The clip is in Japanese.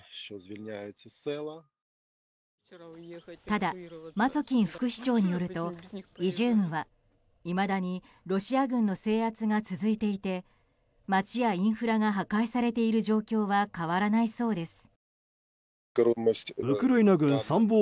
ただマツォキン副市長によるとイジュームはいまだにロシア軍の制圧が続いていて街やインフラが破壊されている状況は変わらないそうです。